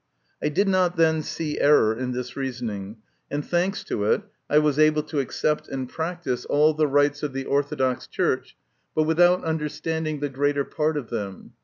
I did not then see error in this reasoning, and, thanks to it, I was able to accept and practise all the rites of the Orthodox 124 MY CONFESSION. Church, but without understanding the greater part of them.